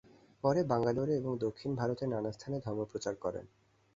পরে বাঙ্গালোরে ও দক্ষিণ ভারতের নানা স্থানে ধর্মপ্রচার করেন।